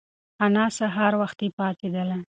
انا سهار وختي پاڅېدله.